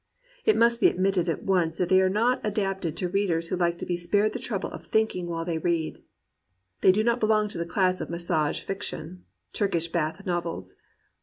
It must be admitted at once that they are not adapted to readers who like to be spared the trouble of thinking while they read. They do not belong to the class of massage fiction, Turkish bath novels.